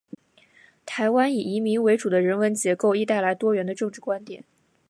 台湾以移民为主的人文结构，亦带来多元的政治观点。